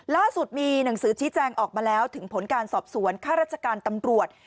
ล่าสุดมีหนังสือชี้แจงออกมาแล้วถึงผลการสอบสวนข้าราชการตำรวจ